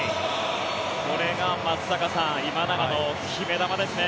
これが松坂さん今永の決め球ですね。